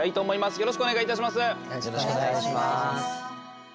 よろしくお願いします。